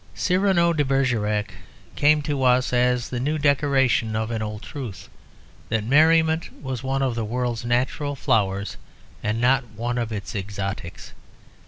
"Cyrano de Bergerac" came to us as the new decoration of an old truth, that merriment was one of the world's natural flowers, and not one of its exotics.